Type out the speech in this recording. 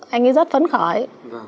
anh ấy rất phấn khởi